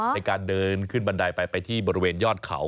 ในการเดินขึ้นบันไดไปไปที่บริเวณยอดเขา